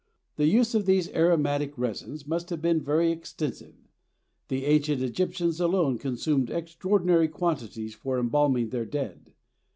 The use of these aromatic resins must have been very extensive: the ancient Egyptians alone consumed extraordinary quantities for embalming their dead.